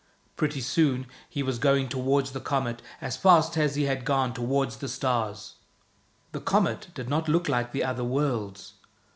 Pretty soon he was going toward the comet as fast as he had gone toward the stars. The comet did not look like the other worlds.